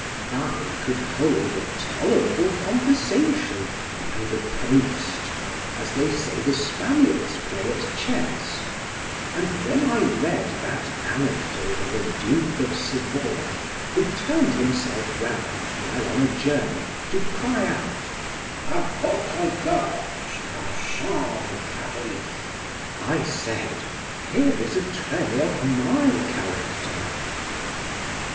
I could hold a tolerable conversation by the post, as they say the Spaniards play at chess, and when I read that anecdote of a duke of Savoy, who turned himself round, while on a journey, to cry out 'a votre gorge, marchand de Paris!' I said, "Here is a trait of my character!"